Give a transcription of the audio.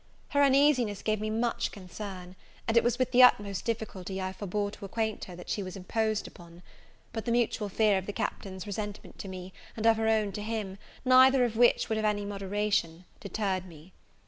Her uneasiness gave me much concern, and it was with the utmost difficulty I forbore to acquaint her that she was imposed upon; but the mutual fear of the Captain's resentment to me, and of her own to him, neither of which would have any moderation, deterred me.